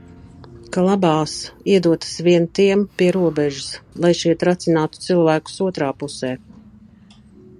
Ka labās iedotas vien tiem pie robežas, lai šie tracinātu cilvēkus otrā pusē.